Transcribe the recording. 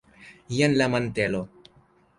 jen la mantelo!